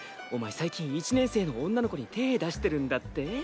最近１年生の女の子に手出してるんだって？